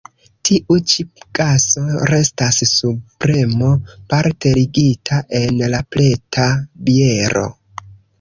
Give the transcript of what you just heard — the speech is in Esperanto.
Tiu ĉi gaso restas sub premo parte ligita en la preta biero.